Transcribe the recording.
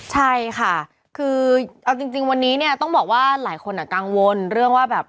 ใช่ค่ะคือเอาจริงวันนี้เนี่ยต้องบอกว่าหลายคนกังวลเรื่องว่าแบบ